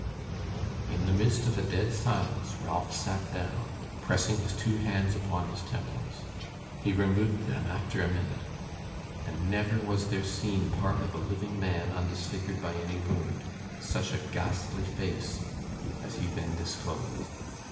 In the midst of a dead silence, Ralph sat down, pressing his two hands upon his temples. He removed them, after a minute, and never was there seen, part of a living man undisfigured by any wound, such a ghastly face as he then disclosed.